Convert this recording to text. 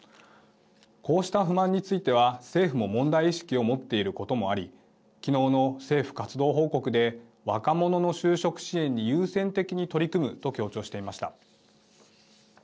こうした不満については政府も問題意識を持っていることもあり昨日の政府活動報告で若者の就職支援に優先的に取り組むと強調していました。